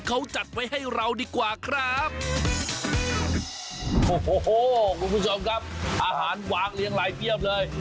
โอห๒๐๐๔คุณผู้ชมครับอาหารหวากเลี้ยงลายเกี้ยวเลย